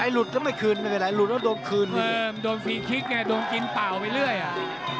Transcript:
หลุดก็ไม่คืนไม่เป็นไรหลุดแล้วโดนคืนเออมันโดนฟรีคลิกไงโดนกินเปล่าไปเรื่อยอ่ะ